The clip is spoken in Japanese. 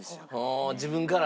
自分から？